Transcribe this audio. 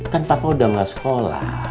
kan papua udah gak sekolah